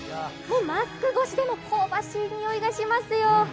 マスク越しでも香ばしい香りがしますよ。